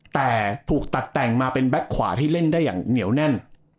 แต่ถูกตัดแต่งมาเป็นแก๊กขวาที่เล่นได้อย่างเหนียวแน่น